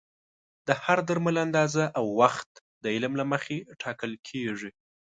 د هر درمل اندازه او وخت د علم له مخې ټاکل کېږي.